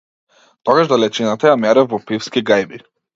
Тогаш далечината ја мерев во пивски гајби.